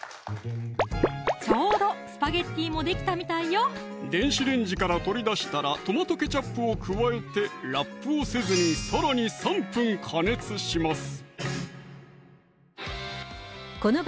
ちょうどスパゲッティもできたみたいよ電子レンジから取り出したらトマトケチャップを加えてラップをせずにさらに３分加熱します